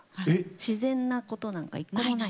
自然なことなんか一個もない。